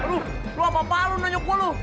aduh lu apa apaan lu nanya gue lu